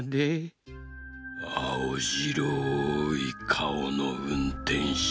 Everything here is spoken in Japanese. あおじろいかおのうんてんしゅ